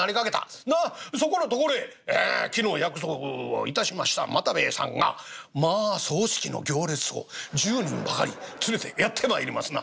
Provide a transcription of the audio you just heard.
がそこのところへ昨日約束を致しました又兵衛さんがまあ葬式の行列を１０人ばかり連れてやって参りますな。